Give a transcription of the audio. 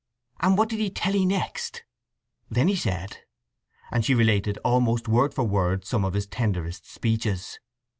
"And what did he tell 'ee next?" "Then he said—" And she related almost word for word some of his tenderest speeches.